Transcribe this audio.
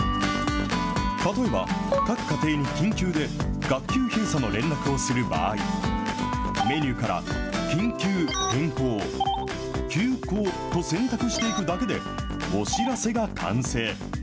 例えば、各家庭に緊急で学級閉鎖の連絡をする場合、メニューから緊急・変更、休校と選択していくだけで、お知らせが完成。